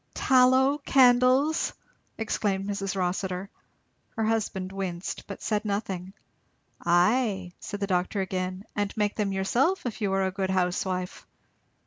"Tallow candles!" exclaimed Mrs. Rossitur. Her husband winced, but said nothing. "Ay," said the doctor again, "and make them yourself if you are a good housewife.